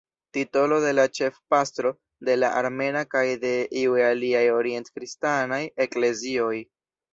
Titolo de la ĉefpastro de la armena kaj de iuj aliaj orient-kristanaj eklezioj.